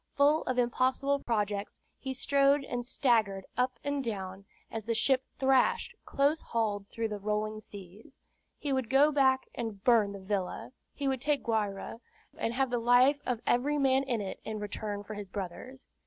Full of impossible projects, he strode and staggered up and down, as the ship thrashed close hauled through the rolling seas. He would go back and burn the villa. He would take Guayra, and have the life of every man in it in return for his brother's.